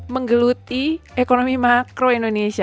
menggeluti ekonomi makro indonesia